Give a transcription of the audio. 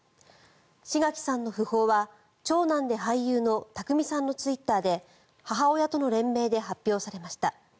志垣さんの訃報は長男で俳優の匠さんのツイッターで母親との連名で発表されました。